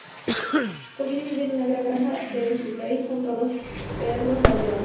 Connie vive en un gran granja en Surrey junto a dos perros labradores.